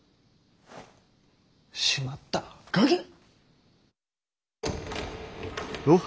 しまった鍵ッ！